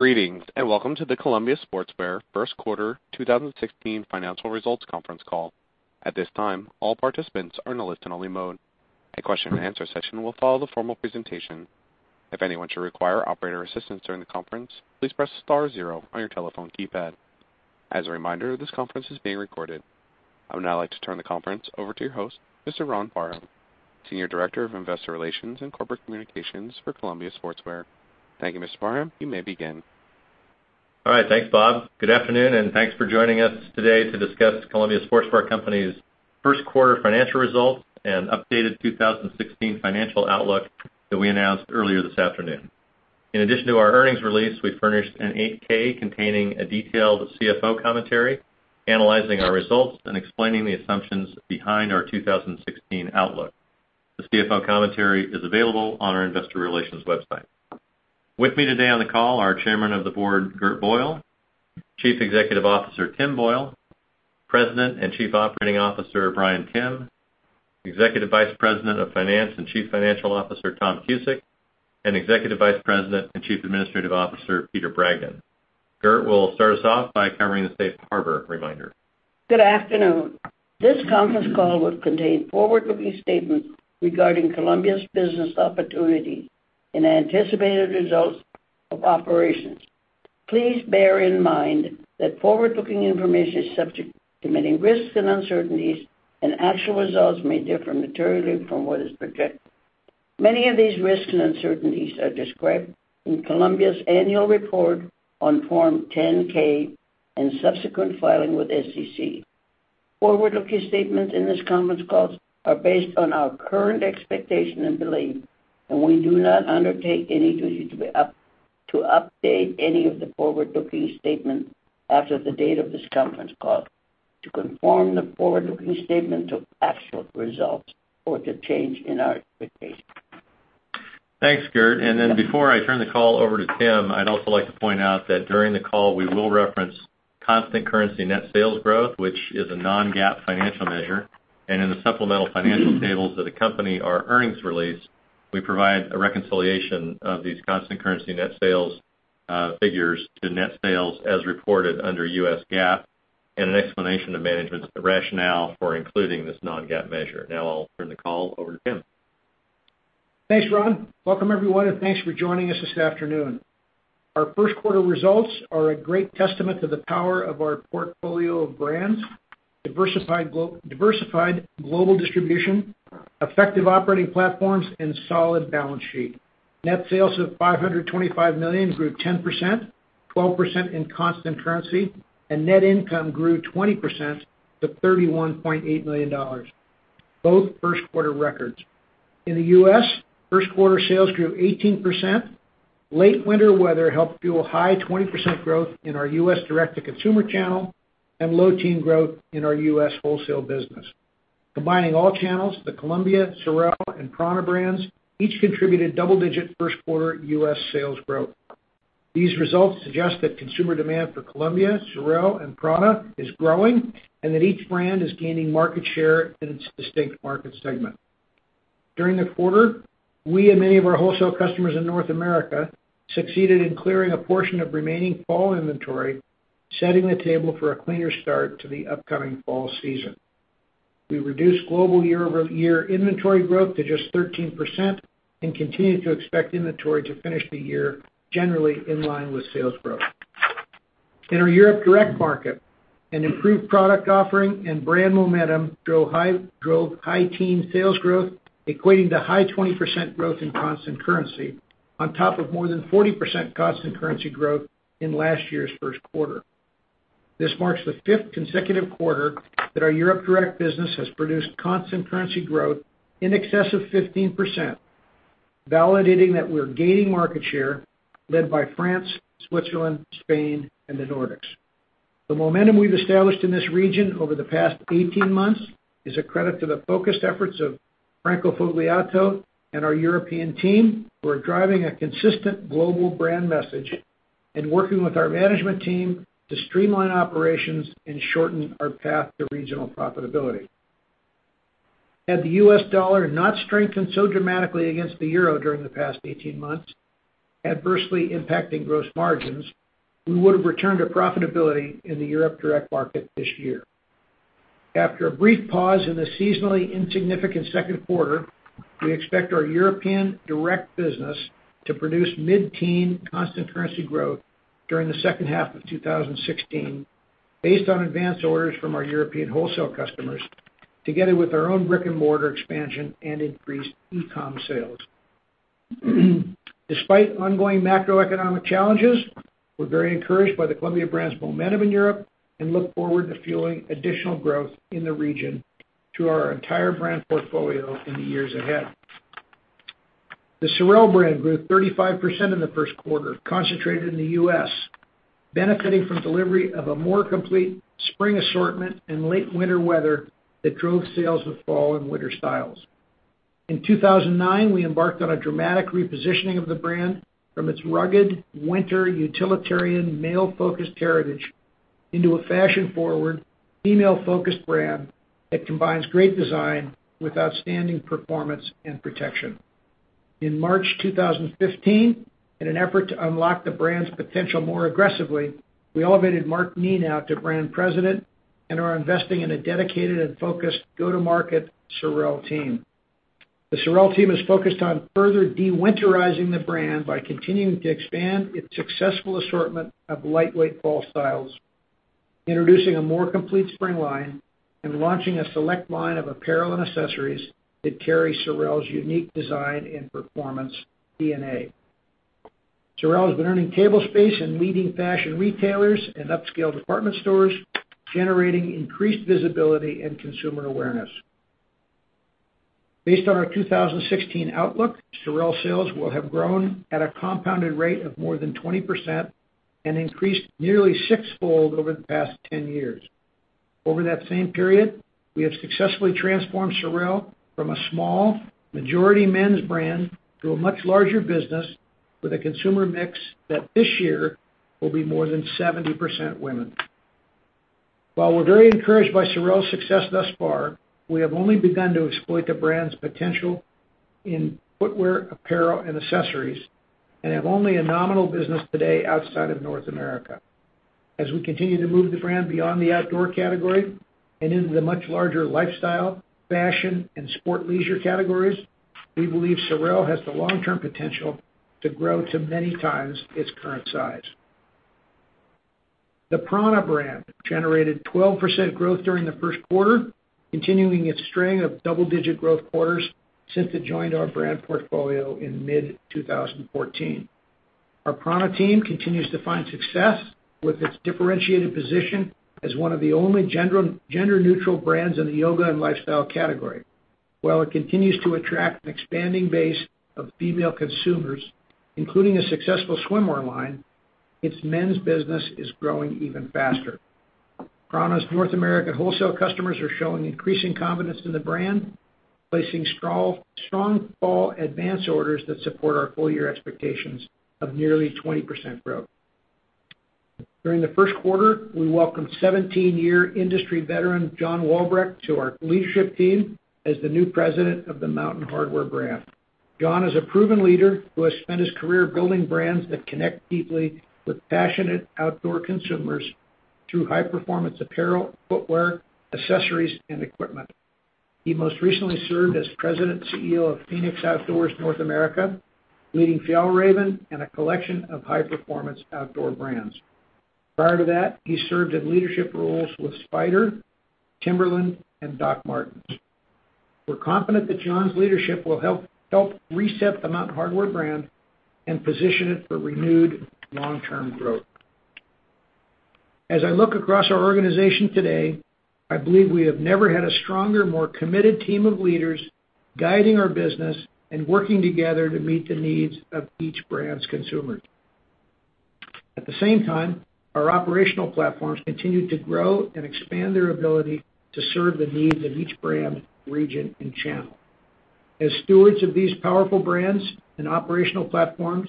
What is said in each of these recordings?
Greetings, welcome to the Columbia Sportswear Company first quarter 2016 financial results conference call. At this time, all participants are in a listen-only mode. A question-and-answer session will follow the formal presentation. If anyone should require operator assistance during the conference, please press star zero on your telephone keypad. As a reminder, this conference is being recorded. I would now like to turn the conference over to your host, Mr. Ron Parham, senior director of investor relations and corporate communications for Columbia Sportswear Company. Thank you, Mr. Parham. You may begin. All right. Thanks, Bob. Good afternoon, thanks for joining us today to discuss Columbia Sportswear Company's first quarter financial results and updated 2016 financial outlook that we announced earlier this afternoon. In addition to our earnings release, we furnished an 8-K containing a detailed CFO commentary analyzing our results and explaining the assumptions behind our 2016 outlook. The CFO commentary is available on our investor relations website. With me today on the call are Chairman of the Board, Gert Boyle; Chief Executive Officer, Tim Boyle; President and Chief Operating Officer, Bryan Timm; Executive Vice President of Finance and Chief Financial Officer, Tom Cusick; and Executive Vice President and Chief Administrative Officer, Peter Bragdon. Gert will start us off by covering the safe harbor reminder. Good afternoon. This conference call will contain forward-looking statements regarding Columbia's business opportunities and anticipated results of operations. Please bear in mind that forward-looking information is subject to many risks and uncertainties, and actual results may differ materially from what is projected. Many of these risks and uncertainties are described in Columbia's annual report on Form 10-K and subsequent filing with SEC. Forward-looking statements in this conference call are based on our current expectation and belief, we do not undertake any duty to update any of the forward-looking statements after the date of this conference call to conform the forward-looking statements to actual results or to change in our expectations. Thanks, Gert. Then, before I turn the call over to Tim, I'd also like to point out that during the call, we will reference constant currency net sales growth, which is a non-GAAP financial measure. In the supplemental financial tables that accompany our earnings release, we provide a reconciliation of these constant currency net sales figures to net sales as reported under US GAAP and an explanation of management's rationale for including this non-GAAP measure. Now I'll turn the call over to Tim. Thanks, Ron. Welcome, everyone, and thanks for joining us this afternoon. Our first quarter results are a great testament to the power of our portfolio of brands, diversified global distribution, effective operating platforms, and solid balance sheet. Net sales of $525 million grew 10%, 12% in constant currency, and net income grew 20% to $31.8 million. Both first quarter records. In the U.S., first quarter sales grew 18%. Late winter weather helped fuel high 20% growth in our U.S. direct-to-consumer channel and low teen growth in our U.S. wholesale business. Combining all channels, the Columbia, SOREL, and prAna brands each contributed double-digit first quarter U.S. sales growth. These results suggest that consumer demand for Columbia, SOREL, and prAna is growing and that each brand is gaining market share in its distinct market segment. During the quarter, we and many of our wholesale customers in North America succeeded in clearing a portion of remaining fall inventory, setting the table for a cleaner start to the upcoming fall season. We reduced global year-over-year inventory growth to just 13% and continue to expect inventory to finish the year generally in line with sales growth. In our Europe direct market, an improved product offering and brand momentum drove high teen sales growth, equating to high 20% growth in constant currency on top of more than 40% constant currency growth in last year's first quarter. This marks the fifth consecutive quarter that our Europe direct business has produced constant currency growth in excess of 15%, validating that we're gaining market share led by France, Switzerland, Spain, and the Nordics. The momentum we've established in this region over the past 18 months is a credit to the focused efforts of Franco Fogliato and our European team, who are driving a consistent global brand message and working with our management team to streamline operations and shorten our path to regional profitability. Had the U.S. dollar not strengthened so dramatically against the euro during the past 18 months, adversely impacting gross margins, we would have returned to profitability in the Europe direct market this year. After a brief pause in the seasonally insignificant second quarter, we expect our European direct business to produce mid-teen constant currency growth during the second half of 20166 based on advanced orders from our European wholesale customers, together with our own brick-and-mortar expansion and increased e-com sales. Despite ongoing macroeconomic challenges, we're very encouraged by the Columbia brand's momentum in Europe and look forward to fueling additional growth in the region through our entire brand portfolio in the years ahead. The SOREL brand grew 35% in the first quarter, concentrated in the U.S., benefiting from delivery of a more complete spring assortment and late winter weather that drove sales of fall and winter styles. In 2009, we embarked on a dramatic repositioning of the brand from its rugged winter utilitarian male-focused heritage into a fashion-forward, female-focused brand that combines great design with outstanding performance and protection. In March 2015, in an effort to unlock the brand's potential more aggressively, we elevated Mark Nenow to brand president and are investing in a dedicated and focused go-to-market SOREL team. The SOREL team is focused on further de-winterizing the brand by continuing to expand its successful assortment of lightweight fall styles, introducing a more complete spring line, and launching a select line of apparel and accessories that carry SOREL's unique design and performance DNA. SOREL has been earning table space in leading fashion retailers and upscale department stores, generating increased visibility and consumer awareness. Based on our 2016 outlook, SOREL sales will have grown at a compounded rate of more than 20% and increased nearly sixfold over the past 10 years. Over that same period, we have successfully transformed SOREL from a small, majority men's brand to a much larger business with a consumer mix that this year will be more than 70% women. While we're very encouraged by SOREL's success thus far, we have only begun to exploit the brand's potential in footwear, apparel, and accessories, and have only a nominal business today outside of North America. As we continue to move the brand beyond the outdoor category and into the much larger lifestyle, fashion, and sport leisure categories, we believe SOREL has the long-term potential to grow to many times its current size. The prAna brand generated 12% growth during the first quarter, continuing its string of double-digit growth quarters since it joined our brand portfolio in mid-2014. Our prAna team continues to find success with its differentiated position as one of the only gender-neutral brands in the yoga and lifestyle category. While it continues to attract an expanding base of female consumers, including a successful swimwear line, its men's business is growing even faster. prAna's North American wholesale customers are showing increasing confidence in the brand, placing strong fall advance orders that support our full-year expectations of nearly 20% growth. During the first quarter, we welcomed 17-year industry veteran John Walbrecht to our leadership team as the new President of the Mountain Hardwear brand. John is a proven leader who has spent his career building brands that connect deeply with passionate outdoor consumers through high-performance apparel, footwear, accessories, and equipment. He most recently served as President and CEO of Fenix Outdoor North America, leading Fjällräven and a collection of high-performance outdoor brands. Prior to that, he served in leadership roles with Spyder, Timberland, and Dr. Martens. We're confident that John's leadership will help reset the Mountain Hardwear brand and position it for renewed long-term growth. As I look across our organization today, I believe we have never had a stronger, more committed team of leaders guiding our business and working together to meet the needs of each brand's consumers. At the same time, our operational platforms continue to grow and expand their ability to serve the needs of each brand, region, and channel. As stewards of these powerful brands and operational platforms,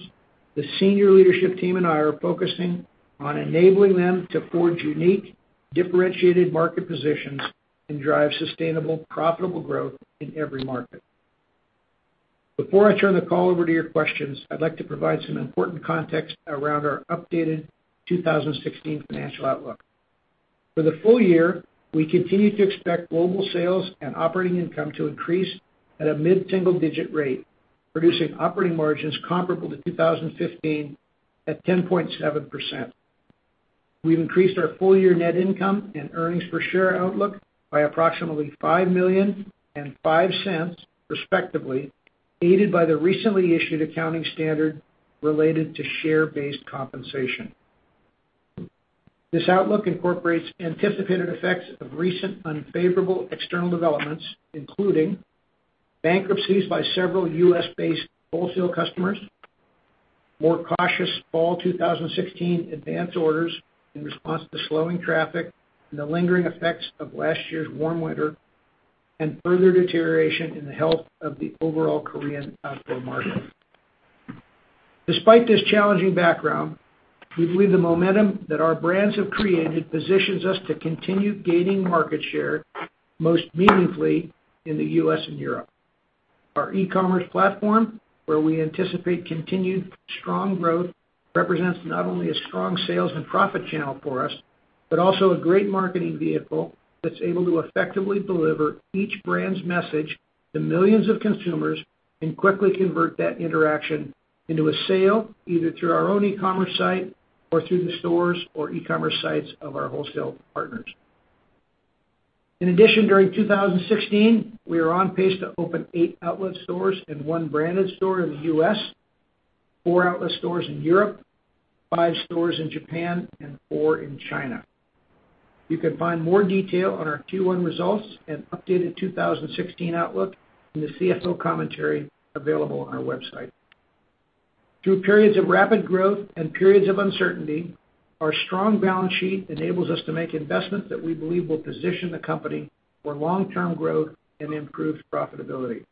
the senior leadership team and I are focusing on enabling them to forge unique, differentiated market positions and drive sustainable, profitable growth in every market. Before I turn the call over to your questions, I'd like to provide some important context around our updated 2016 financial outlook. For the full year, we continue to expect global sales and operating income to increase at a mid-single-digit rate, producing operating margins comparable to 2015 at 10.7%. We've increased our full-year net income and earnings per share outlook by approximately $5 million and $0.05 respectively, aided by the recently issued accounting standard related to share-based compensation. This outlook incorporates anticipated effects of recent unfavorable external developments, including bankruptcies by several U.S.-based wholesale customers, more cautious fall 2016 advance orders in response to slowing traffic and the lingering effects of last year's warm winter, and further deterioration in the health of the overall Korean outdoor market. Despite this challenging background, we believe the momentum that our brands have created positions us to continue gaining market share, most meaningfully in the U.S. and Europe. Our e-commerce platform, where we anticipate continued strong growth, represents not only a strong sales and profit channel for us, but also a great marketing vehicle that's able to effectively deliver each brand's message to millions of consumers and quickly convert that interaction into a sale, either through our own e-commerce site or through the stores or e-commerce sites of our wholesale partners. In addition, during 2016, we are on pace to open 8 outlet stores and one branded store in the U.S., 4 outlet stores in Europe, 5 stores in Japan, and 4 in China. You can find more detail on our Q1 results and updated 2016 outlook in the CFO commentary available on our website. Through periods of rapid growth and periods of uncertainty, our strong balance sheet enables us to make investments that we believe will position the company for long-term growth and improved profitability.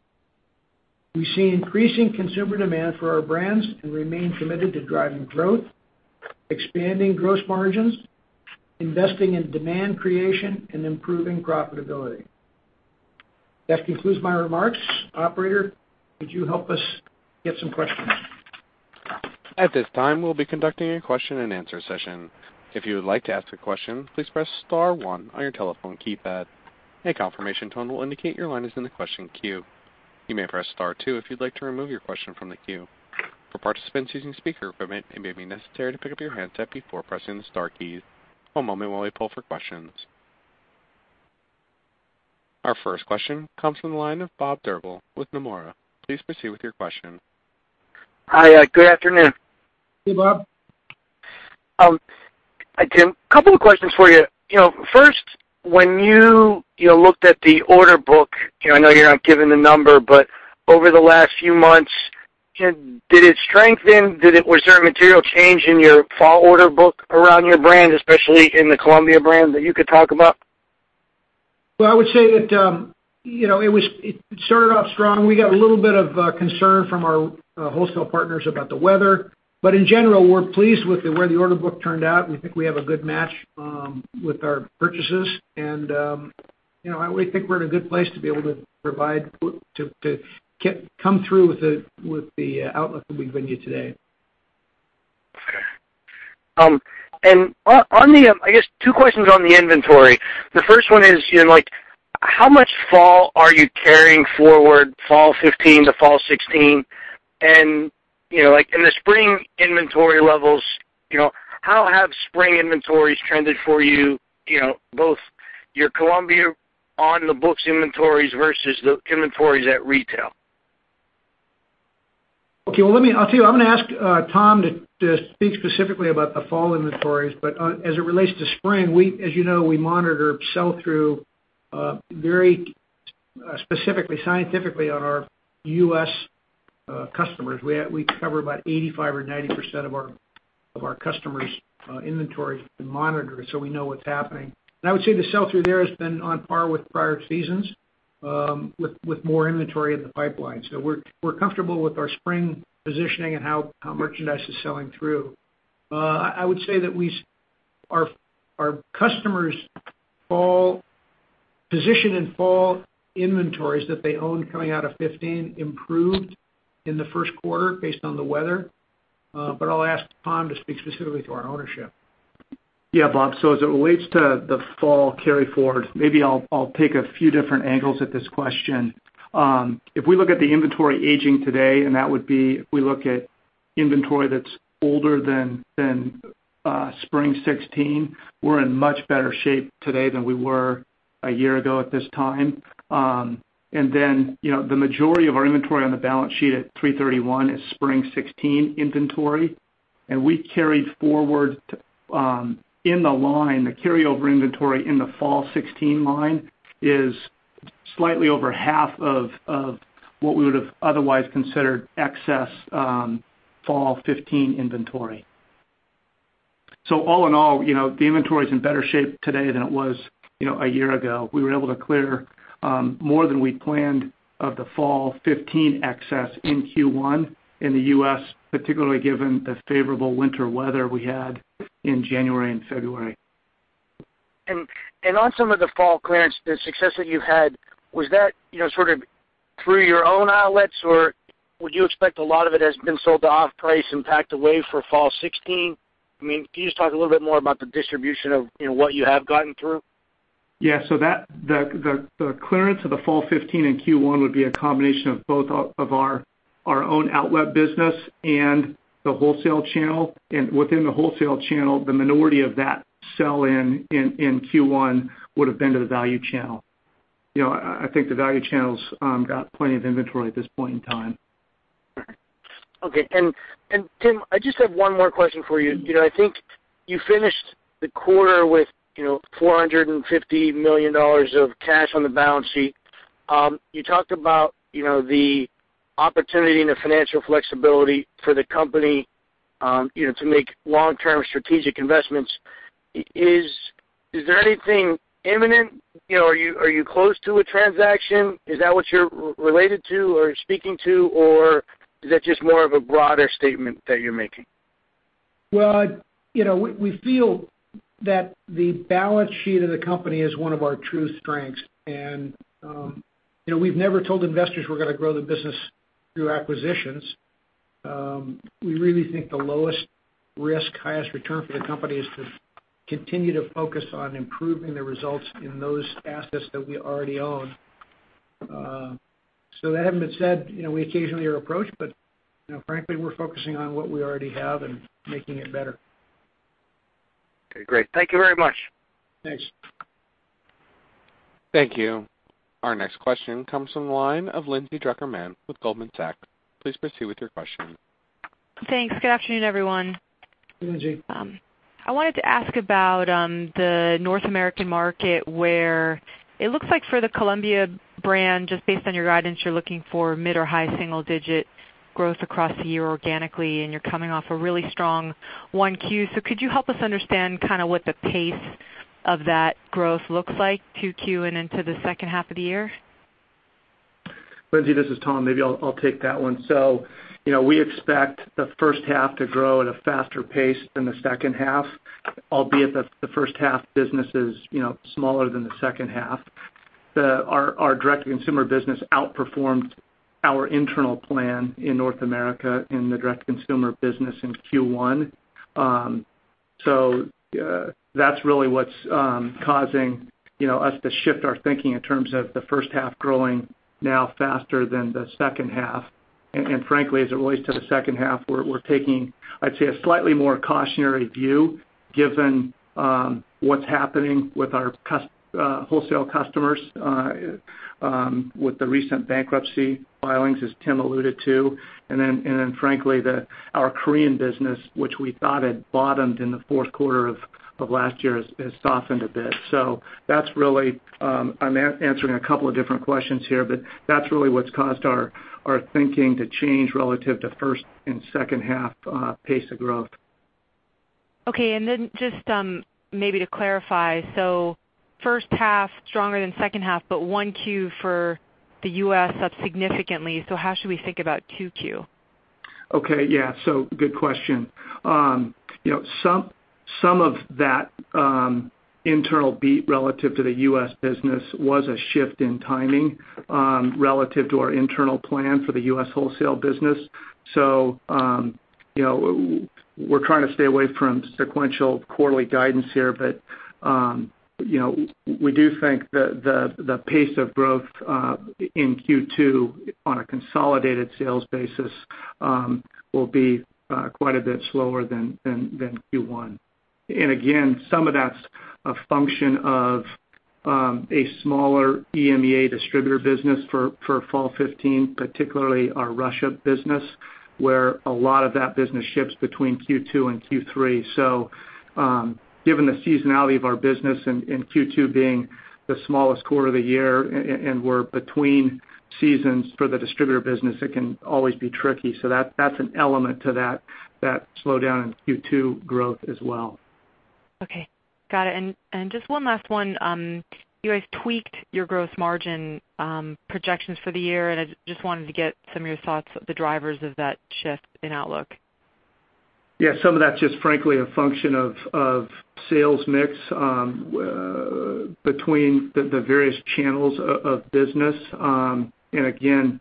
We see increasing consumer demand for our brands and remain committed to driving growth, expanding gross margins, investing in demand creation, and improving profitability. That concludes my remarks. Operator, could you help us get some questions? At this time, we'll be conducting a question and answer session. If you would like to ask a question, please press star one on your telephone keypad. A confirmation tone will indicate your line is in the question queue. You may press star two if you'd like to remove your question from the queue. For participants using speaker equipment, it may be necessary to pick up your handset before pressing the star keys. One moment while we pull for questions. Our first question comes from the line of Bob Drbul with Nomura. Please proceed with your question. Hi. Good afternoon. Hey, Bob. Tim, couple of questions for you. When you looked at the order book, I know you're not giving the number, but over the last few months, did it strengthen? Was there a material change in your fall order book around your brand, especially in the Columbia brand, that you could talk about? I would say that it started off strong. We got a little bit of concern from our wholesale partners about the weather. In general, we're pleased with the way the order book turned out. We think we have a good match with our purchases, and we think we're in a good place to be able to come through with the outlook that we've given you today. Okay. I guess two questions on the inventory. The first one is, how much fall are you carrying forward, fall 2015 to fall 2016? In the spring inventory levels, how have spring inventories trended for you, both your Columbia on-the-books inventories versus the inventories at retail? Okay. Well, I'll tell you, I'm going to ask Tom to speak specifically about the fall inventories. As it relates to spring, as you know, we monitor sell-through very specifically, scientifically, on our U.S. customers. We cover about 85% or 90% of our customers' inventory to monitor, so we know what's happening. I would say the sell-through there has been on par with prior seasons, with more inventory in the pipeline. We're comfortable with our spring positioning and how merchandise is selling through. I would say that our customers' position in fall inventories that they owned coming out of 2015 improved in the first quarter based on the weather. I'll ask Tom to speak specifically to our ownership. Yeah, Bob. As it relates to the fall carry-forward, maybe I'll take a few different angles at this question. If we look at the inventory aging today, that would be if we look at inventory that's older than spring 2016, we're in much better shape today than we were a year ago at this time. The majority of our inventory on the balance sheet at 3/31 is spring 2016 inventory, and we carried forward in the line, the carryover inventory in the fall 2016 line is slightly over half of what we would've otherwise considered excess fall 2015 inventory. All in all, the inventory's in better shape today than it was a year ago. We were able to clear more than we'd planned of the fall 2015 excess in Q1 in the U.S., particularly given the favorable winter weather we had in January and February. On some of the fall clearance, the success that you had, was that sort of through your own outlets, or would you expect a lot of it has been sold to off-price and packed away for fall 2016? Can you just talk a little bit more about the distribution of what you have gotten through? The clearance of the fall 2015 in Q1 would be a combination of both of our own outlet business and the wholesale channel. Within the wholesale channel, the minority of that sell-in in Q1 would've been to the value channel. I think the value channel's got plenty of inventory at this point in time. All right. Okay. Tim, I just have one more question for you. I think you finished the quarter with $450 million of cash on the balance sheet. You talked about the opportunity and the financial flexibility for the company to make long-term strategic investments. Is there anything imminent? Are you close to a transaction? Is that what you're related to or speaking to, or is that just more of a broader statement that you're making? Well, we feel that the balance sheet of the company is one of our true strengths. We've never told investors we're going to grow the business through acquisitions. We really think the lowest risk, highest return for the company is to continue to focus on improving the results in those assets that we already own. That having been said, we occasionally are approached, but frankly, we're focusing on what we already have and making it better. Okay, great. Thank you very much. Thanks. Thank you. Our next question comes from the line of Lindsay Drucker Mann with Goldman Sachs. Please proceed with your question. Thanks. Good afternoon, everyone. Lindsey. I wanted to ask about the North American market, where it looks like for the Columbia brand, just based on your guidance, you're looking for mid or high single digit growth across the year organically, and you're coming off a really strong one Q. Could you help us understand kind of what the pace of that growth looks like, 2Q and into the second half of the year? Lindsay, this is Tom. Maybe I'll take that one. We expect the first half to grow at a faster pace than the second half, albeit that the first half business is smaller than the second half. Our direct-to-consumer business outperformed our internal plan in North America in the direct-to-consumer business in Q1. That's really what's causing us to shift our thinking in terms of the first half growing now faster than the second half. Frankly, as it relates to the second half, we're taking, I'd say, a slightly more cautionary view given what's happening with our wholesale customers with the recent bankruptcy filings, as Tim alluded to. Then frankly, our Korean business, which we thought had bottomed in the fourth quarter of last year, has softened a bit. I'm answering a couple of different questions here, that's really what's caused our thinking to change relative to first and second half pace of growth. Okay, just maybe to clarify, first half stronger than second half, 1Q for the U.S. How should we think about 2Q? Okay. Yeah. Good question. Some of that internal beat relative to the U.S. business was a shift in timing relative to our internal plan for the U.S. wholesale business. We're trying to stay away from sequential quarterly guidance here, we do think that the pace of growth in Q2 on a consolidated sales basis will be quite a bit slower than Q1. Again, some of that's a function of a smaller EMEA distributor business for fall 2015, particularly our Russia business, where a lot of that business shifts between Q2 and Q3. Given the seasonality of our business and Q2 being the smallest quarter of the year, and we're between seasons for the distributor business, it can always be tricky. That's an element to that slowdown in Q2 growth as well. Okay. Got it. Just one last one. You guys tweaked your gross margin projections for the year, I just wanted to get some of your thoughts, the drivers of that shift in outlook. Yeah, some of that's just frankly a function of sales mix between the various channels of business. Again,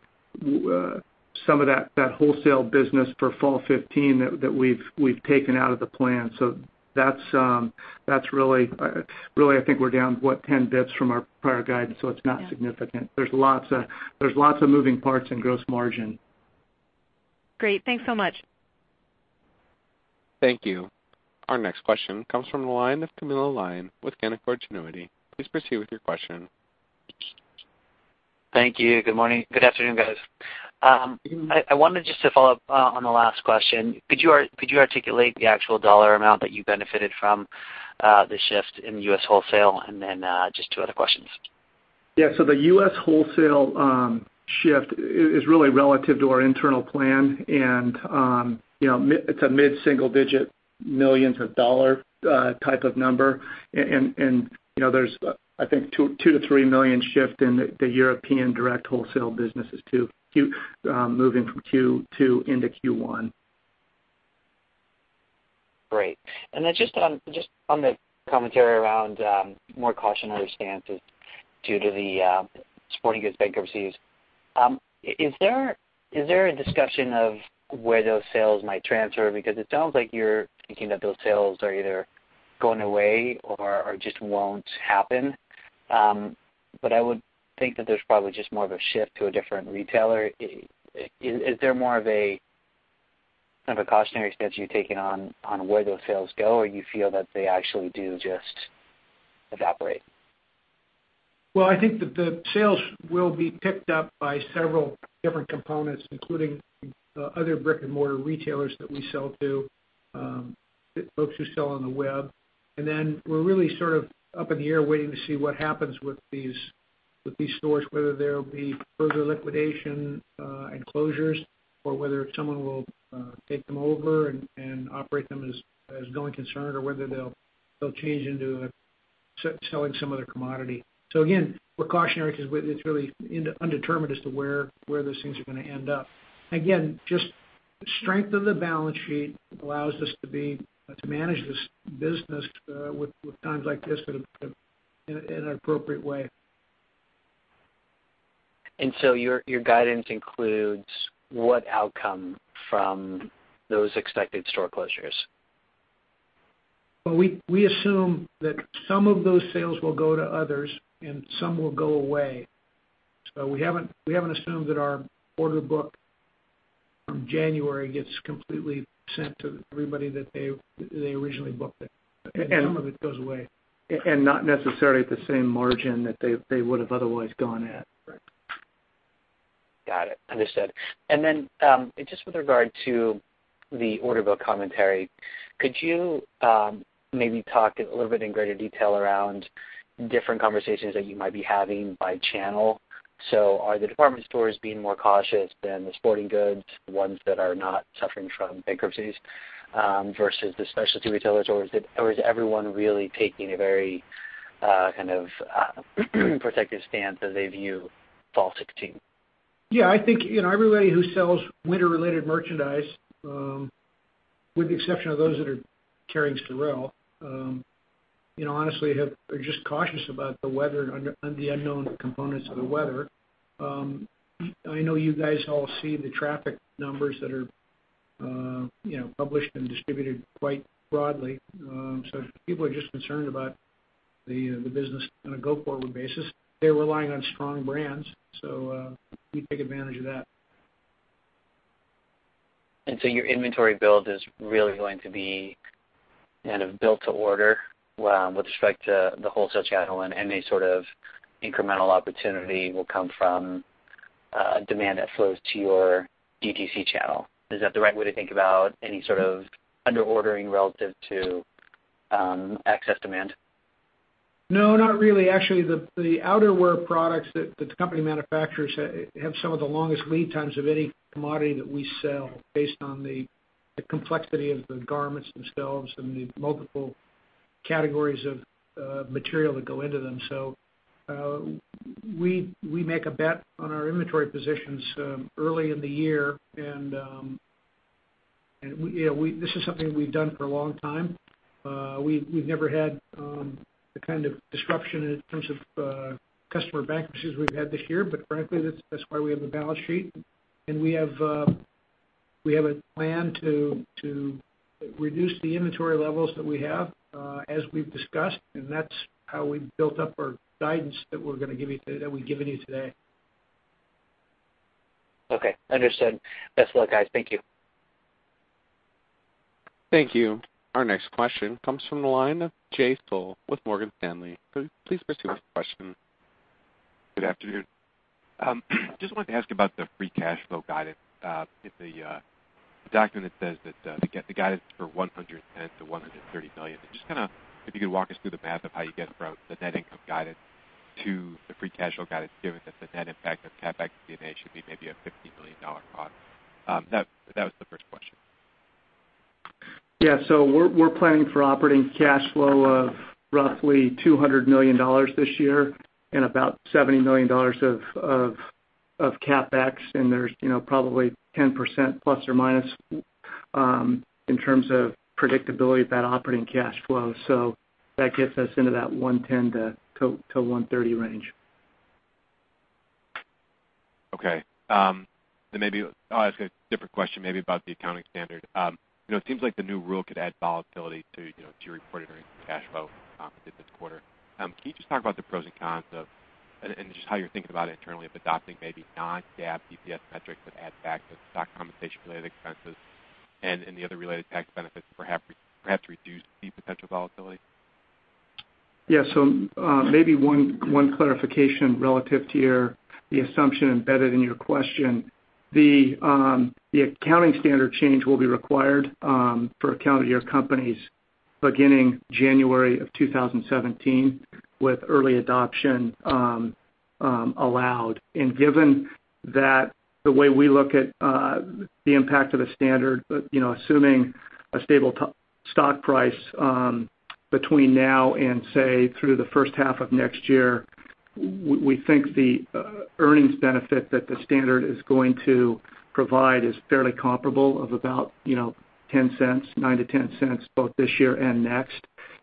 some of that wholesale business for fall 2015 that we've taken out of the plan. Really, I think we're down, what, 10 basis points from our prior guidance, so it's not significant. There's lots of moving parts in gross margin. Great. Thanks so much. Thank you. Our next question comes from the line of Camilo Lyon with Canaccord Genuity. Please proceed with your question. Thank you. Good morning. Good afternoon, guys. I wanted just to follow up on the last question. Could you articulate the actual dollar amount that you benefited from the shift in U.S. wholesale? Then just two other questions. Yeah. The U.S. wholesale shift is really relative to our internal plan, and it's a mid-single digit millions of dollars type of number. There's, I think, $2 million to $3 million shift in the European direct wholesale businesses too, moving from Q2 into Q1. Great. Just on the commentary around more cautionary stances due to the sporting goods bankruptcies. Is there a discussion of where those sales might transfer? It sounds like you're thinking that those sales are either going away or just won't happen. I would think that there's probably just more of a shift to a different retailer. Is there more of a cautionary stance you're taking on where those sales go, or you feel that they actually do just evaporate? Well, I think that the sales will be picked up by several different components, including other brick-and-mortar retailers that we sell to, folks who sell on the web. We're really sort of up in the air waiting to see what happens with these stores, whether there'll be further liquidation and closures, or whether someone will take them over and operate them as going concern, or whether they'll change into selling some other commodity. Again, we're cautionary because it's really undetermined as to where those things are going to end up. Again, just the strength of the balance sheet allows us to manage this business with times like this in an appropriate way. Your guidance includes what outcome from those expected store closures? Well, we assume that some of those sales will go to others and some will go away. We haven't assumed that our order book from January gets completely sent to everybody that they originally booked it. Some of it goes away. Not necessarily at the same margin that they would've otherwise gone at. Right. Got it. Understood. Then, just with regard to the order book commentary, could you maybe talk a little bit in greater detail around different conversations that you might be having by channel? Are the department stores being more cautious than the sporting goods, the ones that are not suffering from bankruptcies, versus the specialty retailers? Is everyone really taking a very protective stance as they view fall 2016? Yeah, I think everybody who sells winter-related merchandise, with the exception of those that are carrying SOREL, honestly are just cautious about the unknown components of the weather. I know you guys all see the traffic numbers that are published and distributed quite broadly. People are just concerned about the business on a go-forward basis. They're relying on strong brands, so we take advantage of that. Your inventory build is really going to be built to order with respect to the wholesale channel, and any sort of incremental opportunity will come from demand that flows to your DTC channel. Is that the right way to think about any sort of under-ordering relative to excess demand? No, not really. Actually, the outerwear products that the company manufactures have some of the longest lead times of any commodity that we sell based on the complexity of the garments themselves and the multiple categories of material that go into them. We make a bet on our inventory positions early in the year, and this is something we've done for a long time. We've never had the kind of disruption in terms of customer bankruptcies we've had this year. Frankly, that's why we have a balance sheet, and we have a plan to reduce the inventory levels that we have as we've discussed, and that's how we built up our guidance that we've given you today. Okay. Understood. Best of luck, guys. Thank you. Thank you. Our next question comes from the line of Jay Sole with Morgan Stanley. Please proceed with your question. Good afternoon. Just wanted to ask about the free cash flow guidance. In the document that says that the guidance is for $110 million-$130 million, if you could walk us through the math of how you get from the net income guidance to the free cash flow guidance, given that the net impact of CapEx and M&A should be maybe a $50 million cost. That was the first question. Yeah. We're planning for operating cash flow of roughly $200 million this year and about $70 million of CapEx, and there's probably 10% ± in terms of predictability of that operating cash flow. That gets us into that $110 million-$130 million range. Okay. Maybe I'll ask a different question maybe about the accounting standard. It seems like the new rule could add volatility to reported earnings and cash flow this quarter. Can you just talk about the pros and cons of, and just how you're thinking about it internally, of adopting maybe non-GAAP EPS metrics that add back the stock compensation related expenses and any other related tax benefits perhaps to reduce the potential volatility? Yeah. Maybe one clarification relative to the assumption embedded in your question. The accounting standard change will be required for accounting year companies beginning January of 2017, with early adoption allowed. Given that the way we look at the impact of the standard, assuming a stable stock price between now and, say, through the first half of next year, we think the earnings benefit that the standard is going to provide is fairly comparable of about $0.10, $0.09-$0.10 both this year and next.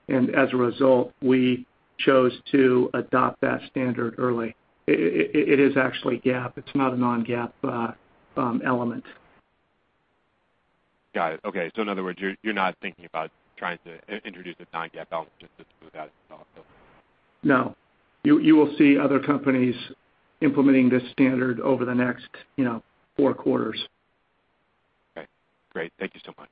As a result, we chose to adopt that standard early. It is actually GAAP. It's not a non-GAAP element. Got it. Okay. In other words, you're not thinking about trying to introduce a non-GAAP element just to smooth out the volatility. No. You will see other companies implementing this standard over the next four quarters. Okay. Great. Thank you so much.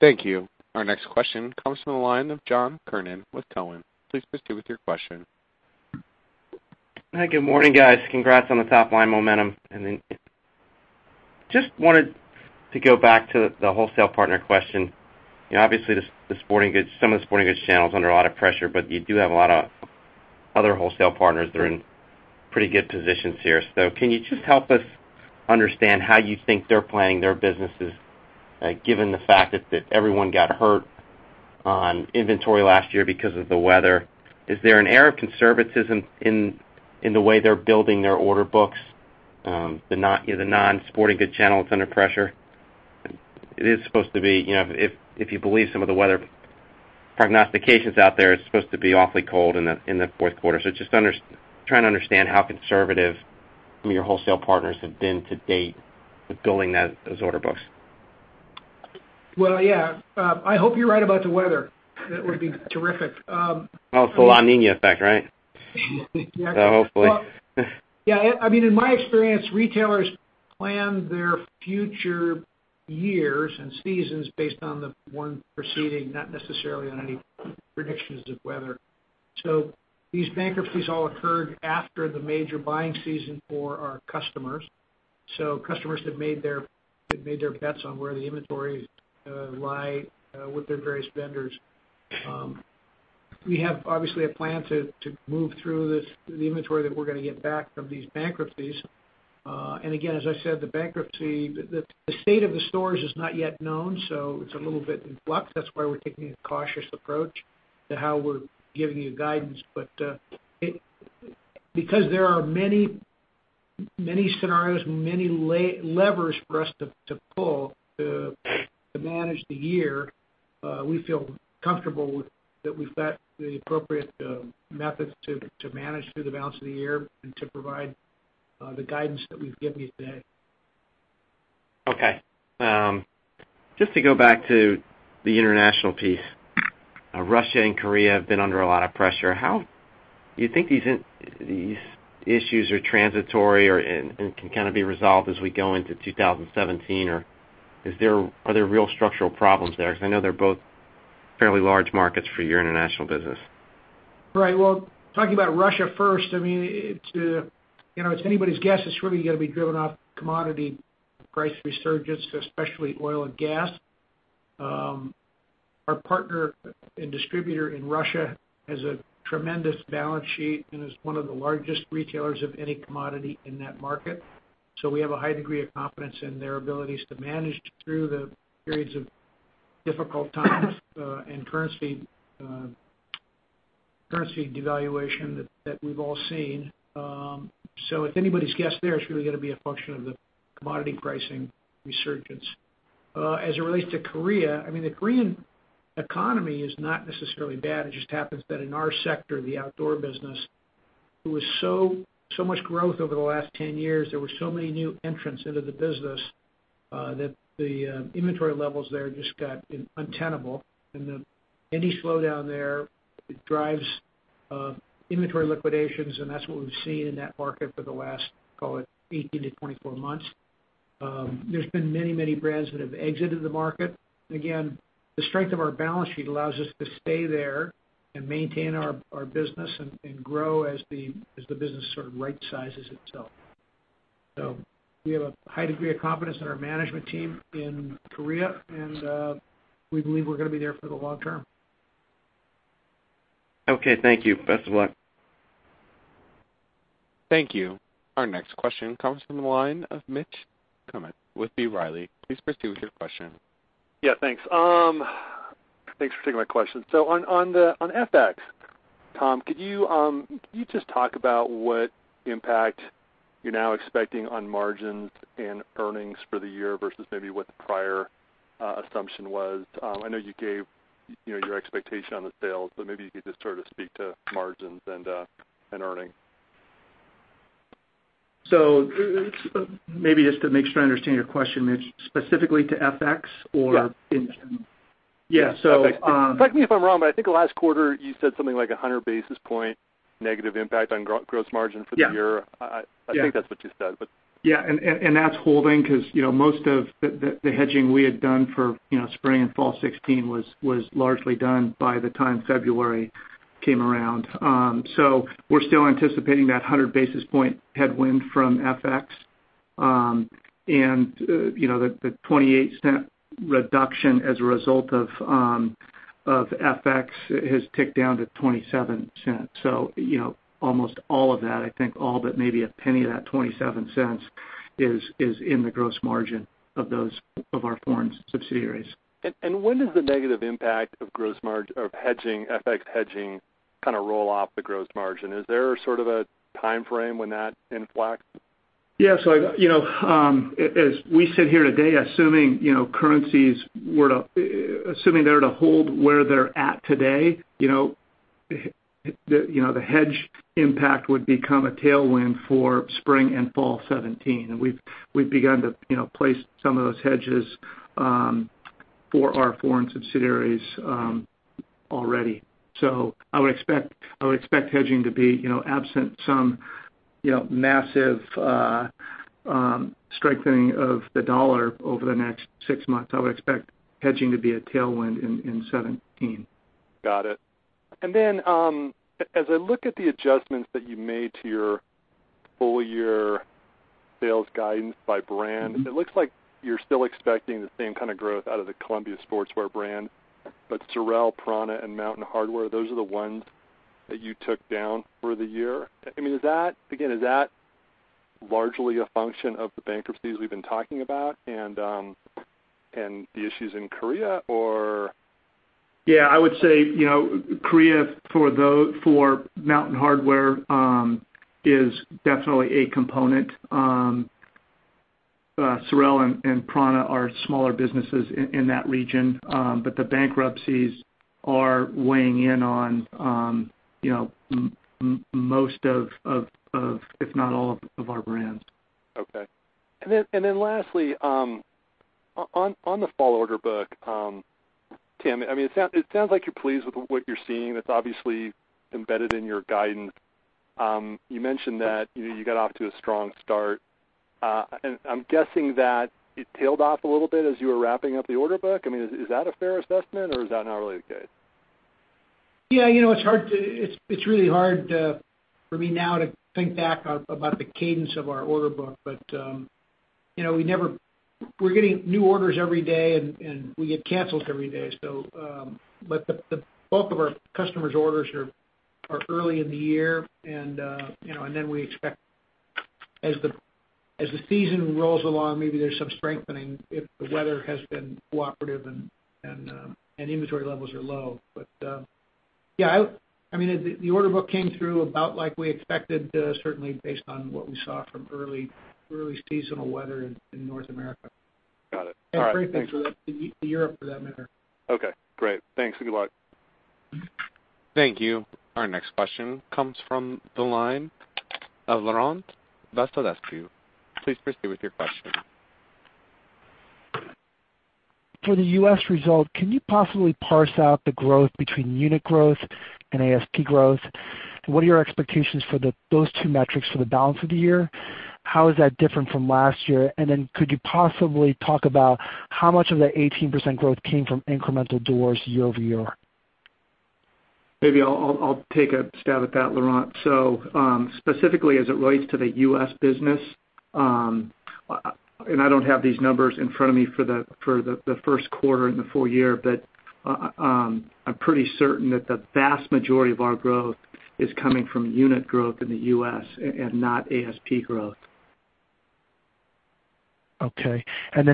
Thank you. Our next question comes from the line of John Kernan with TD Cowen. Please proceed with your question. Hi. Good morning, guys. Congrats on the top-line momentum. Just wanted to go back to the wholesale partner question. Obviously, some of the sporting goods channels are under a lot of pressure, but you do have a lot of other wholesale partners that are in pretty good positions here. Can you just help us understand how you think they're planning their businesses, given the fact that everyone got hurt on inventory last year because of the weather? Is there an air of conservatism in the way they're building their order books? The non-sporting goods channels under pressure. If you believe some of the weather prognostications out there, it's supposed to be awfully cold in the fourth quarter. Just trying to understand how conservative your wholesale partners have been to date with building those order books. Well, yeah. I hope you're right about the weather. That would be terrific. Oh, it's the La Niña effect, right? Hopefully. Yeah. In my experience, retailers plan their future years and seasons based on the one preceding, not necessarily on any predictions of weather. These bankruptcies all occurred after the major buying season for our customers. Customers have made their bets on where the inventories lie with their various vendors. We have, obviously, a plan to move through the inventory that we're going to get back from these bankruptcies. Again, as I said, the state of the stores is not yet known, so it's a little bit in flux. That's why we're taking a cautious approach to how we're giving you guidance. Because there are many scenarios, many levers for us to pull to manage the year, we feel comfortable that we've got the appropriate methods to manage through the balance of the year and to provide the guidance that we've given you today. Okay. Just to go back to the international piece. Russia and Korea have been under a lot of pressure. Do you think these issues are transitory or, and can kind of be resolved as we go into 2017, or are there real structural problems there? Because I know they're both fairly large markets for your international business. Right. Well, talking about Russia first, it's anybody's guess. It's really got to be driven off commodity price resurgence, especially oil and gas. Our partner and distributor in Russia has a tremendous balance sheet and is one of the largest retailers of any commodity in that market. We have a high degree of confidence in their abilities to manage through the periods of difficult times, and currency devaluation that we've all seen. It's anybody's guess there. It's really got to be a function of the commodity pricing resurgence. As it relates to Korea, the Korean economy is not necessarily bad. It just happens that in our sector, the outdoor business, there was so much growth over the last 10 years, there were so many new entrants into the business, that the inventory levels there just got untenable. Any slowdown there, it drives inventory liquidations, and that's what we've seen in that market for the last, call it, 18 to 24 months. There's been many brands that have exited the market. Again, the strength of our balance sheet allows us to stay there and maintain our business and grow as the business sort of right sizes itself. We have a high degree of confidence in our management team in Korea, and we believe we're going to be there for the long term. Okay. Thank you. Best of luck. Thank you. Our next question comes from the line of Mitch Kummetz with B. Riley. Please proceed with your question. Yeah, thanks. Thanks for taking my question. On FX, Tom, could you just talk about what impact you're now expecting on margins and earnings for the year versus maybe what the prior assumption was? I know you gave your expectation on the sales, but maybe you could just sort of speak to margins and earnings. Maybe just to make sure I understand your question, Mitch, specifically to FX. Yeah In general? Yeah. So- Correct me if I'm wrong, but I think last quarter you said something like 100 basis point negative impact on gross margin for the year. Yeah. I think that's what you said, but. That's holding because most of the hedging we had done for spring and fall 2016 was largely done by the time February came around. We're still anticipating that 100 basis point headwind from FX. The $0.28 reduction as a result of FX has ticked down to $0.27. Almost all of that, I think all but maybe $0.01 of that $0.27, is in the gross margin of our foreign subsidiaries. When does the negative impact of FX hedging kind of roll off the gross margin? Is there sort of a timeframe when that inflects? As we sit here today, assuming currencies were to hold where they're at today, the hedge impact would become a tailwind for spring and fall 2017. We've begun to place some of those hedges for our foreign subsidiaries already. I would expect hedging to be, absent some massive strengthening of the U.S. dollar over the next 6 months, I would expect hedging to be a tailwind in 2017. Got it. As I look at the adjustments that you made to your full year sales guidance by brand, it looks like you're still expecting the same kind of growth out of the Columbia Sportswear brand. SOREL, prAna, and Mountain Hardwear, those are the ones that you took down for the year. Again, is that largely a function of the bankruptcies we've been talking about and the issues in Korea or? I would say Korea for Mountain Hardwear is definitely a component. SOREL and prAna are smaller businesses in that region. The bankruptcies are weighing in on most of, if not all of our brands. Okay. Lastly, on the fall order book, Tim, it sounds like you're pleased with what you're seeing. That's obviously embedded in your guidance. You mentioned that you got off to a strong start. I'm guessing that it tailed off a little bit as you were wrapping up the order book. Is that a fair assessment or is that not really the case? Yeah, it's really hard for me now to think back about the cadence of our order book. We're getting new orders every day, and we get cancels every day. The bulk of our customers' orders are early in the year, and then we expect, as the season rolls along, maybe there's some strengthening if the weather has been cooperative and inventory levels are low. Yeah, the order book came through about like we expected, certainly based on what we saw from early seasonal weather in North America. Got it. All right. Thanks. Pretty much Europe, for that matter. Okay, great. Thanks, and good luck. Thank you. Our next question comes from the line of Laurent Vasilescu. Please proceed with your question. For the U.S. result, can you possibly parse out the growth between unit growth and ASP growth? What are your expectations for those two metrics for the balance of the year? How is that different from last year? Could you possibly talk about how much of that 18% growth came from incremental doors year-over-year? Maybe I'll take a stab at that, Laurent. Specifically as it relates to the U.S. business, and I don't have these numbers in front of me for the first quarter and the full year, but I'm pretty certain that the vast majority of our growth is coming from unit growth in the U.S. and not ASP growth. Okay.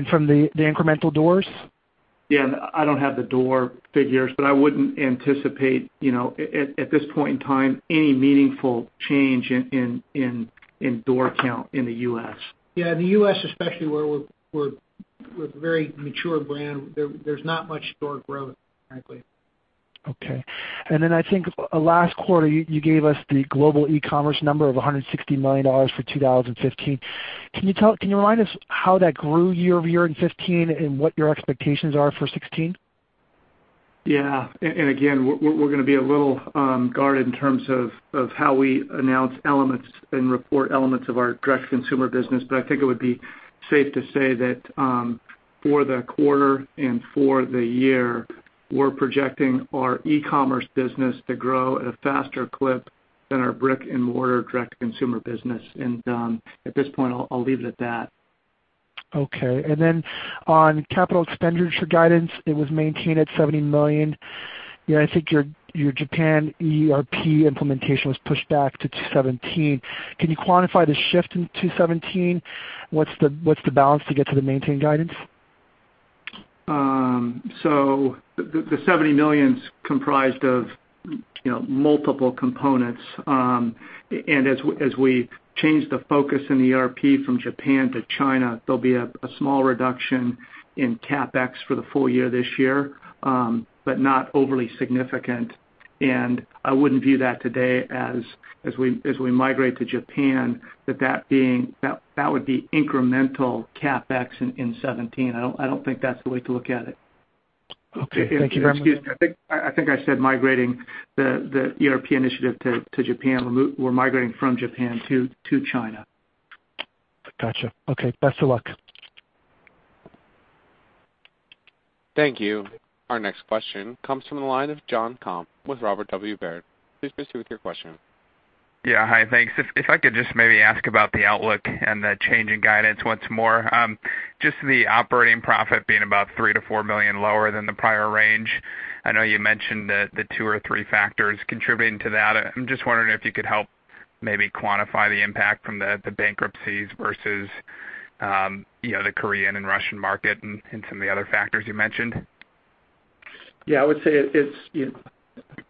From the incremental doors? Yeah, I don't have the door figures, but I wouldn't anticipate, at this point in time, any meaningful change in door count in the U.S. Yeah, the U.S. especially, we're a very mature brand. There's not much door growth, frankly. Okay. Then I think last quarter, you gave us the global e-commerce number of $160 million for 2015. Can you remind us how that grew year-over-year in 2015 and what your expectations are for 2016? Yeah. Again, we're going to be a little guarded in terms of how we announce elements and report elements of our direct-to-consumer business. I think it would be safe to say that for the quarter and for the year, we're projecting our e-commerce business to grow at a faster clip than our brick-and-mortar direct consumer business. At this point, I'll leave it at that. On capital expenditure guidance, it was maintained at $70 million. Yet I think your Japan ERP implementation was pushed back to 2017. Can you quantify the shift in 2017? What's the balance to get to the maintained guidance? The $70 million is comprised of multiple components. As we change the focus in ERP from Japan to China, there'll be a small reduction in CapEx for the full year this year, but not overly significant. I wouldn't view that today as we migrate to Japan, that would be incremental CapEx in 2017. I don't think that's the way to look at it. Okay. Thank you very much. Excuse me. I think I said migrating the ERP initiative to Japan. We're migrating from Japan to China. Got you. Okay. Best of luck. Thank you. Our next question comes from the line of Jonathan Komp with Robert W. Baird. Please proceed with your question. Hi, thanks. If I could just maybe ask about the outlook and the change in guidance once more. Just the operating profit being about $3 million-$4 million lower than the prior range. I know you mentioned the two or three factors contributing to that. I'm just wondering if you could help maybe quantify the impact from the bankruptcies versus the Korean and Russian market and some of the other factors you mentioned. I would say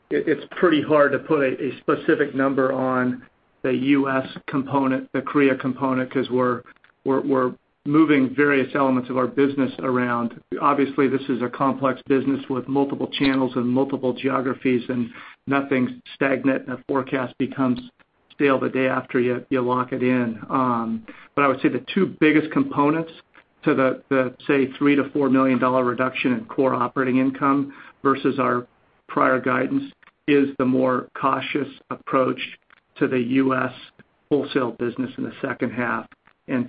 it's pretty hard to put a specific number on the U.S. component, the Korea component, because we're moving various elements of our business around. Obviously, this is a complex business with multiple channels and multiple geographies, and nothing's stagnant, and a forecast becomes stale the day after you lock it in. I would say the two biggest components to the, say, $3 million-$4 million reduction in core operating income versus our prior guidance is the more cautious approach to the U.S. wholesale business in the second half.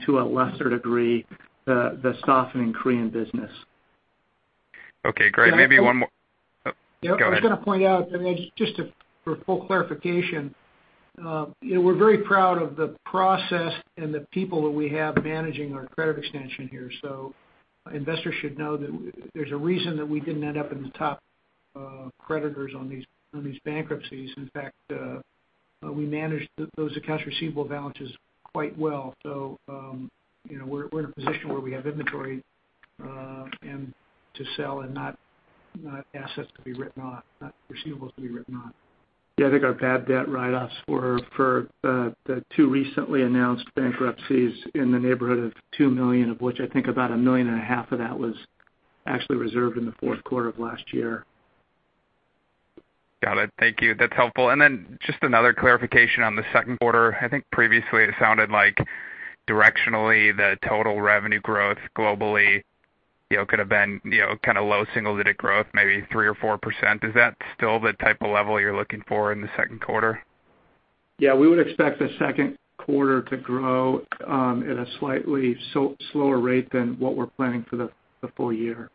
To a lesser degree, the softening Korean business. Okay, great. Oh, go ahead. I was going to point out, just for full clarification, we're very proud of the process and the people that we have managing our credit extension here. Investors should know that there's a reason that we didn't end up in the top creditors on these bankruptcies. In fact, we managed those accounts receivable balances quite well. We're in a position where we have inventory to sell and not assets to be written off, not receivables to be written off. Yeah, I think our bad debt write-offs were for the two recently announced bankruptcies in the neighborhood of $2 million, of which I think about a million and a half of that was actually reserved in the fourth quarter of last year. Got it. Thank you. That's helpful. Just another clarification on the second quarter. I think previously it sounded like directionally, the total revenue growth globally could have been low single-digit growth, maybe 3% or 4%. Is that still the type of level you're looking for in the second quarter? Yeah, we would expect the second quarter to grow at a slightly slower rate than what we're planning for the full year.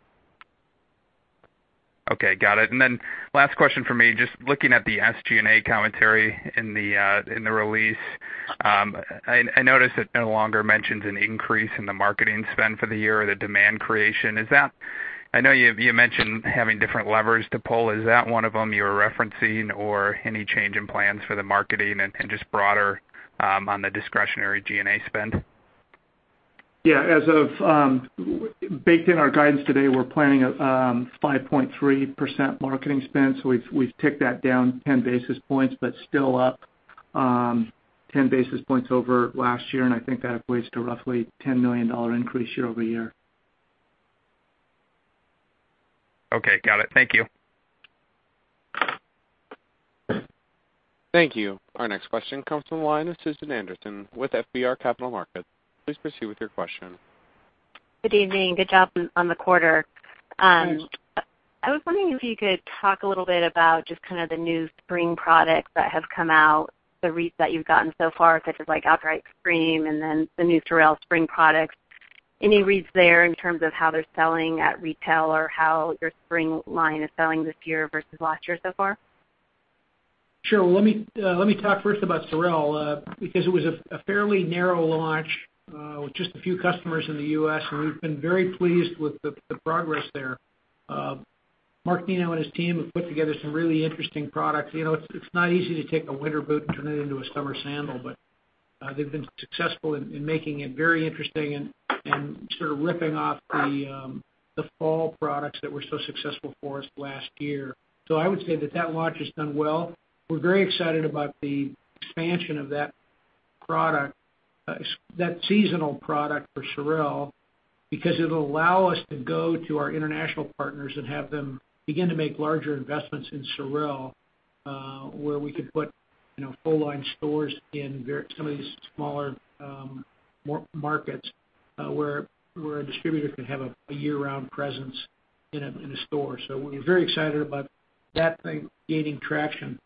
Okay, got it. Then last question from me. Just looking at the SG&A commentary in the release, I noticed it no longer mentions an increase in the marketing spend for the year or the demand creation. I know you mentioned having different levers to pull. Is that one of them you're referencing or any change in plans for the marketing and just broader, on the discretionary G&A spend? Yeah. Baked in our guidance today, we're planning a 5.3% marketing spend, so we've ticked that down 10 basis points, but still up 10 basis points over last year, and I think that equates to roughly a $10 million increase year-over-year. Okay, got it. Thank you. Thank you. Our next question comes from the line of Susan Anderson with FBR Capital Markets. Please proceed with your question. Good evening. Good job on the quarter. Thanks. I was wondering if you could talk a little bit about just kind of the new spring products that have come out, the reads that you've gotten so far, such as OutDry Extreme and then the new SOREL spring products. Any reads there in terms of how they're selling at retail or how your spring line is selling this year versus last year so far? Sure. Let me talk first about SOREL. It was a fairly narrow launch, with just a few customers in the U.S., and we've been very pleased with the progress there. Martino and his team have put together some really interesting products. It's not easy to take a winter boot and turn it into a summer sandal, but they've been successful in making it very interesting and sort of ripping off the fall products that were so successful for us last year. I would say that launch has done well. We're very excited about the expansion of that seasonal product for SOREL because it'll allow us to go to our international partners and have them begin to make larger investments in SOREL where we could put full-line stores in some of these smaller markets, where a distributor can have a year-round presence in a store. We're very excited about that thing gaining traction.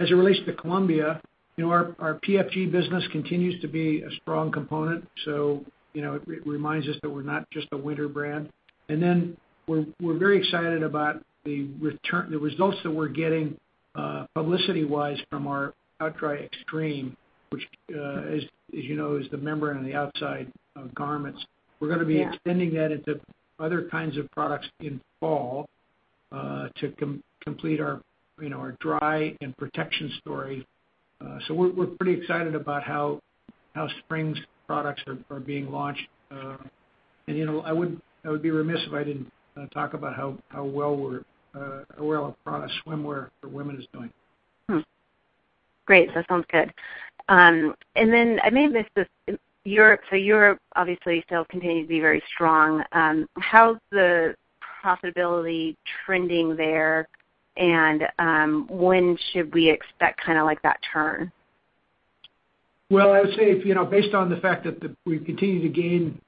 As it relates to Columbia, our PFG business continues to be a strong component. It reminds us that we're not just a winter brand. We're very excited about the results that we're getting publicity-wise from our OutDry Extreme, which, as you know, is the membrane on the outside of garments. We're going to be extending that into other kinds of products in fall to complete our dry and protection story. We're pretty excited about how spring's products are being launched. I would be remiss if I didn't talk about how well our product swimwear for women is doing. Great. That sounds good. I may have missed this. Europe obviously still continues to be very strong. How's the profitability trending there, and when should we expect kind of like that turn? Well, I would say based on the fact that we continue to gain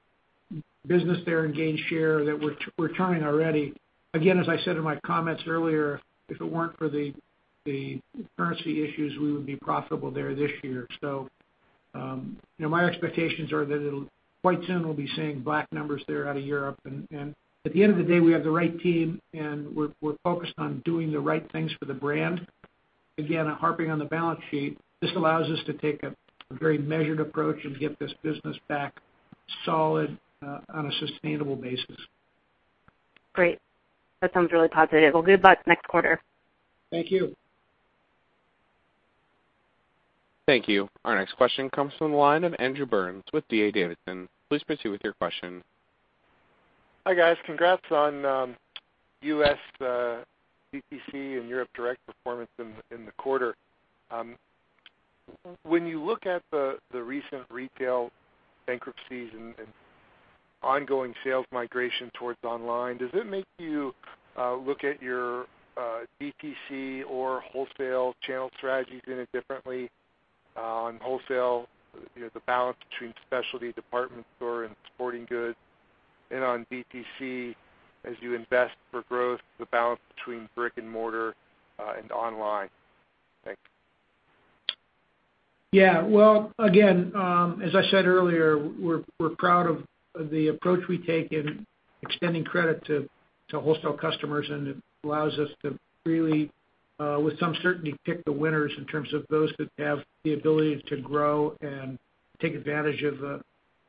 business there and gain share, that we're turning already. Again, as I said in my comments earlier, if it weren't for the currency issues, we would be profitable there this year. My expectations are that quite soon we'll be seeing black numbers there out of Europe. At the end of the day, we have the right team, and we're focused on doing the right things for the brand. Again, harping on the balance sheet, this allows us to take a very measured approach and get this business back solid on a sustainable basis. Great. That sounds really positive. Well, good luck next quarter. Thank you. Thank you. Our next question comes from the line of Andrew Burns with D.A. Davidson. Please proceed with your question. Hi, guys. Congrats on U.S. DTC and Europe direct performance in the quarter. When you look at the recent retail bankruptcies and ongoing sales migration towards online, does it make you look at your DTC or wholesale channel strategies any differently? On wholesale, the balance between specialty department store and sporting goods, and on DTC as you invest for growth, the balance between brick and mortar and online. Thanks. Yeah. Well, again, as I said earlier, we're proud of the approach we take in extending credit to wholesale customers, and it allows us to really, with some certainty, pick the winners in terms of those that have the ability to grow and take advantage of a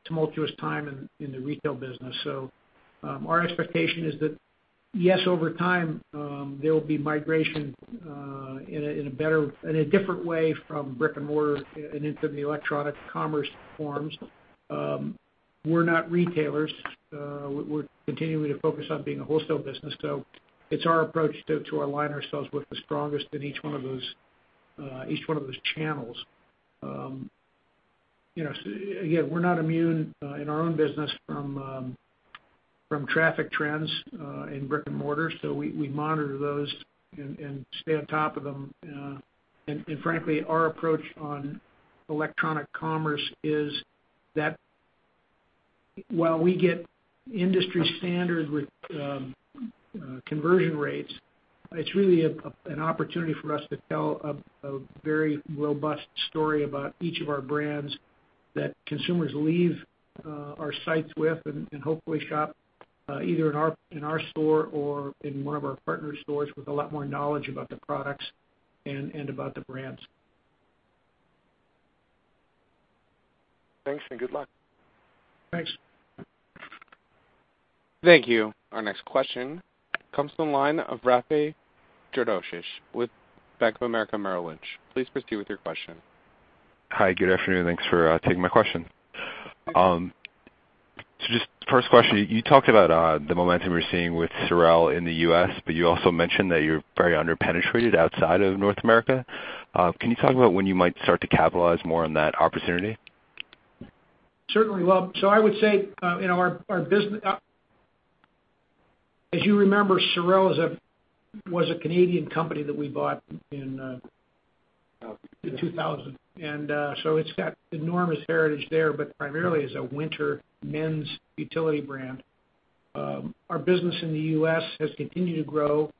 tumultuous time in the retail business. Our expectation is that, yes, over time, there will be migration in a different way from brick and mortar and into the electronic commerce forms. We're not retailers. We're continuing to focus on being a wholesale business. It's our approach to align ourselves with the strongest in each one of those channels. Again, we're not immune in our own business from traffic trends in brick and mortar, so we monitor those and stay on top of them. Frankly, our approach on electronic commerce is that While we get industry standard conversion rates, it is really an opportunity for us to tell a very robust story about each of our brands that consumers leave our sites with and hopefully shop either in our store or in one of our partner stores with a lot more knowledge about the products and about the brands. Thanks and good luck. Thanks. Thank you. Our next question comes from the line of Rafe Jadrosich with Bank of America Merrill Lynch. Please proceed with your question. Hi, good afternoon. Thanks for taking my question. Just first question, you talked about the momentum you are seeing with SOREL in the U.S., but you also mentioned that you are very under-penetrated outside of North America. Can you talk about when you might start to capitalize more on that opportunity? Certainly. Well, as you remember, SOREL was a Canadian company that we bought in 2000. It's got enormous heritage there, but primarily as a winter men's utility brand. Our business in the U.S. has continued to grow,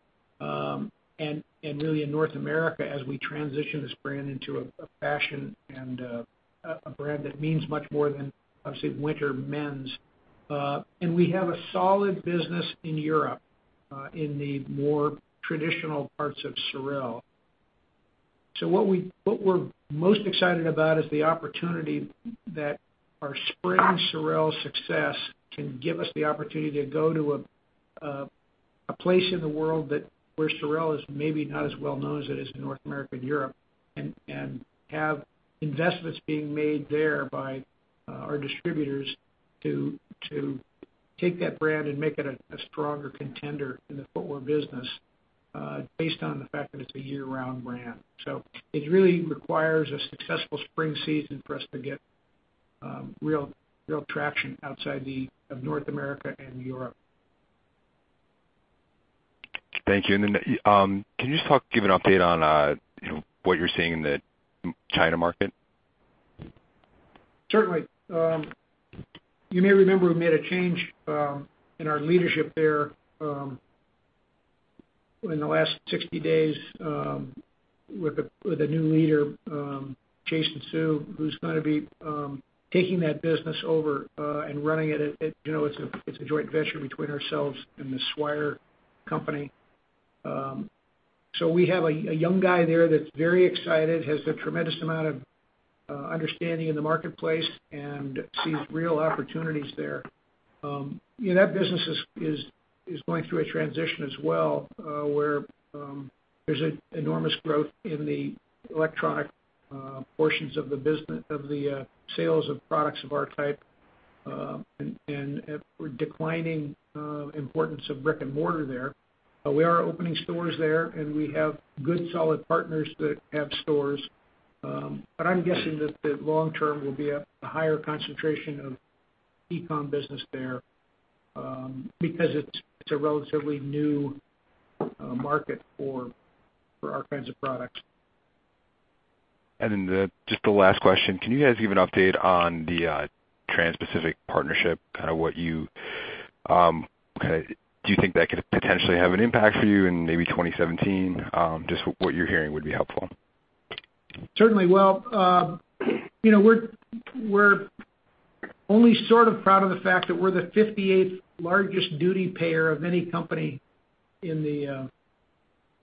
really in North America as we transition this brand into a fashion and a brand that means much more than, obviously, winter men's. We have a solid business in Europe, in the more traditional parts of SOREL. What we're most excited about is the opportunity that our spring SOREL success can give us the opportunity to go to a place in the world where SOREL is maybe not as well known as it is in North America and Europe, have investments being made there by our distributors to take that brand and make it a stronger contender in the footwear business based on the fact that it's a year-round brand. It really requires a successful spring season for us to get real traction outside of North America and Europe. Thank you. Can you just give an update on what you're seeing in the China market? Certainly. You may remember we made a change in our leadership there in the last 60 days with a new leader, Jason Zhu, who's going to be taking that business over and running it. It's a joint venture between ourselves and the Swire Group. We have a young guy there that's very excited, has a tremendous amount of understanding in the marketplace and sees real opportunities there. That business is going through a transition as well, where there's enormous growth in the electronic portions of the sales of products of our type, a declining importance of brick and mortar there. We are opening stores there, we have good, solid partners that have stores. I'm guessing that the long term will be a higher concentration of e-com business there, because it's a relatively new market for our kinds of products. Just the last question, can you guys give an update on the Trans-Pacific Partnership? Do you think that could potentially have an impact for you in maybe 2017? Just what you're hearing would be helpful. Certainly. We're only sort of proud of the fact that we're the 58th largest duty payer of any company in the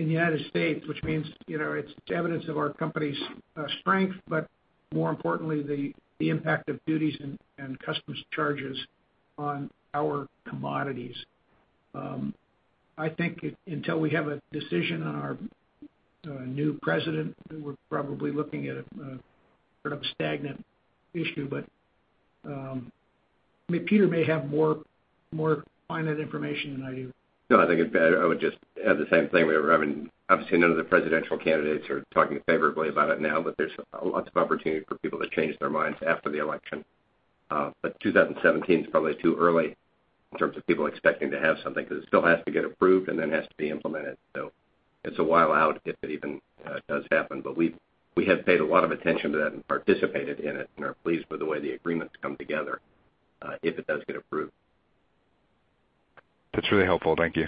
U.S., which means it's evidence of our company's strength, more importantly, the impact of duties and customs charges on our commodities. I think until we have a decision on our new president, we're probably looking at a sort of stagnant issue. Peter may have more finite information than I do. No, I think I would just add the same thing. Obviously, none of the presidential candidates are talking favorably about it now, there's lots of opportunity for people to change their minds after the election. 2017 is probably too early in terms of people expecting to have something, because it still has to get approved and then has to be implemented. It's a while out if it even does happen. We have paid a lot of attention to that and participated in it and are pleased with the way the agreement's come together, if it does get approved. That's really helpful. Thank you.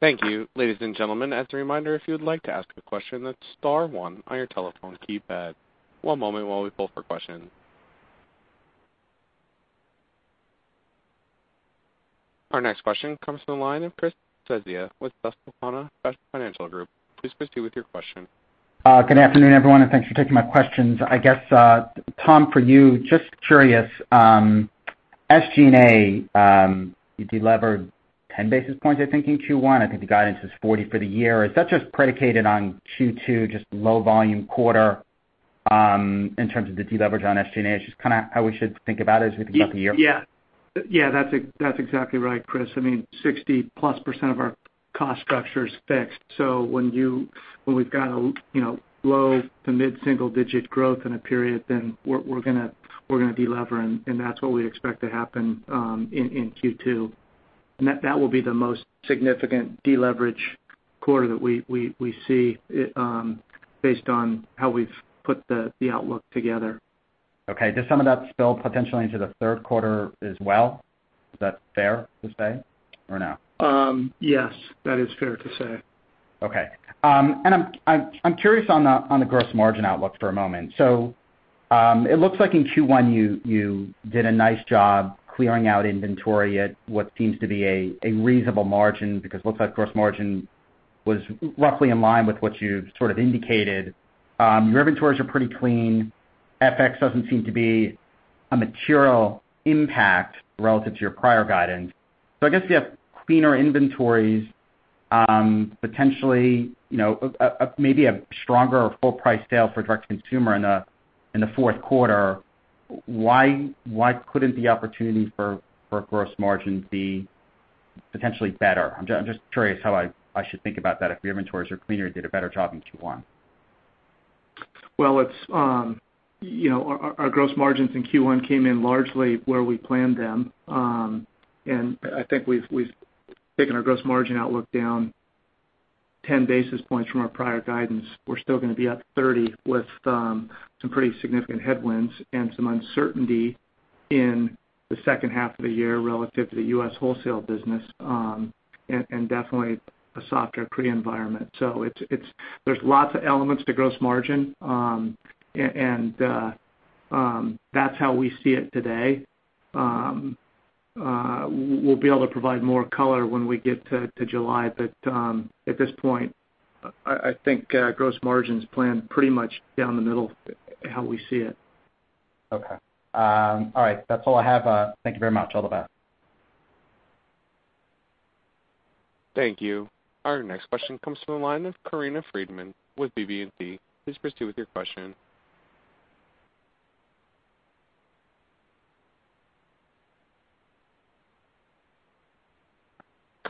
Thank you. Ladies and gentlemen, as a reminder, if you would like to ask a question, that is star one on your telephone keypad. One moment while we pull for questions. Our next question comes from the line of Christopher Svezia with Susquehanna Financial Group. Please proceed with your question. Good afternoon, everyone, and thanks for taking my questions. I guess, Tom, for you, just curious, SG&A, you delevered 10 basis points, I think, in Q1. I think the guidance was 40 for the year. Is that just predicated on Q2, just low volume quarter in terms of the deleverage on SG&A? Is just how we should think about it as we think about the year? Yeah. That is exactly right, Chris. 60-plus % of our cost structure is fixed. When we have got a low- to mid-single digit growth in a period, then we are going to delever, and that is what we expect to happen in Q2. That will be the most significant deleverage quarter that we see based on how we have put the outlook together. Okay. Does some of that spill potentially into the third quarter as well? Is that fair to say or no? Yes, that is fair to say. Okay. I'm curious on the gross margin outlook for a moment. It looks like in Q1 you did a nice job clearing out inventory at what seems to be a reasonable margin, because it looks like gross margin was roughly in line with what you've sort of indicated. Your inventories are pretty clean. FX doesn't seem to be a material impact relative to your prior guidance. I guess if you have cleaner inventories, potentially, maybe a stronger or full price sale for direct consumer in the fourth quarter, why couldn't the opportunity for gross margin be potentially better? I'm just curious how I should think about that. If your inventories are cleaner, you did a better job in Q1. Well, our gross margins in Q1 came in largely where we planned them. I think we've taken our gross margin outlook down 10 basis points from our prior guidance. We're still going to be up 30 basis points with some pretty significant headwinds and some uncertainty in the second half of the year relative to the U.S. wholesale business. Definitely a softer pre environment. There's lots of elements to gross margin. That's how we see it today. We'll be able to provide more color when we get to July. At this point, I think gross margins plan pretty much down the middle how we see it. Okay. All right. That's all I have. Thank you very much. All the best. Thank you. Our next question comes from the line of Corinna Freedman with BB&T. Please proceed with your question.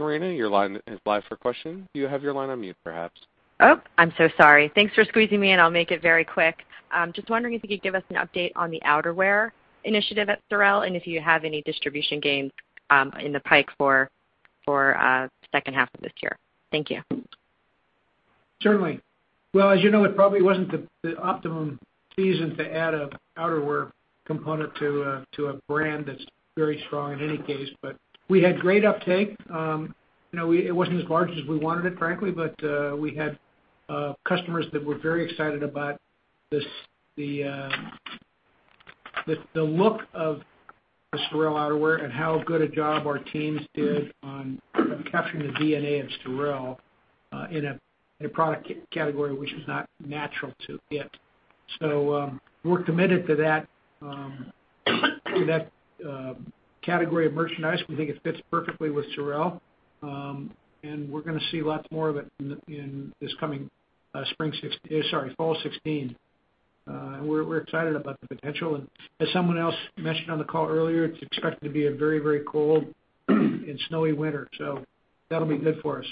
Corinna, your line is live for question. Do you have your line on mute perhaps? Oh, I'm so sorry. Thanks for squeezing me in. I'll make it very quick. I'm just wondering if you could give us an update on the outerwear initiative at SOREL and if you have any distribution gains in the pipeline for second half of this year. Thank you. Certainly. Well, as you know, it probably wasn't the optimum season to add an outerwear component to a brand that's very strong in any case. We had great uptake. It wasn't as large as we wanted it, frankly, we had customers that were very excited about the look of the SOREL outerwear and how good a job our teams did on capturing the DNA of SOREL, in a product category, which is not natural to it. We're committed to that category of merchandise. We think it fits perfectly with SOREL. We're going to see lots more of it in this coming fall 2016. We're excited about the potential. As someone else mentioned on the call earlier, it's expected to be a very cold and snowy winter, that'll be good for us.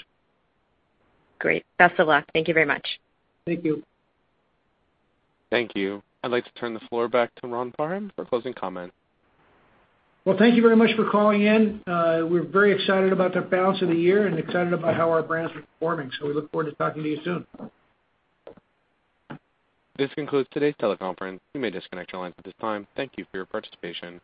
Great. Best of luck. Thank you very much. Thank you. Thank you. I'd like to turn the floor back to Ron Parham for closing comment. Well, thank you very much for calling in. We're very excited about the balance of the year and excited about how our brands are performing, so we look forward to talking to you soon. This concludes today's teleconference. You may disconnect your lines at this time. Thank you for your participation.